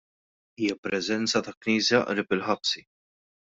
Hija preżenza ta' Knisja qrib il-ħabsi.